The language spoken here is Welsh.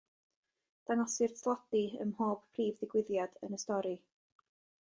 Dangosir tlodi ym mhob prif ddigwyddiad yn y stori.